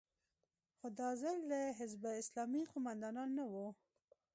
خو دا ځل د حزب اسلامي قومندانان نه وو.